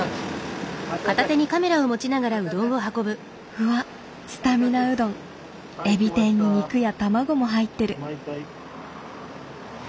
うわっスタミナうどんエビ天に肉や卵も入ってる。